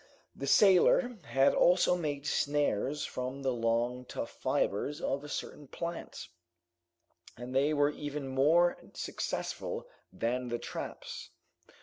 The sailor had also made snares from the long tough fibers of a certain plant, and they were even more successful than the traps.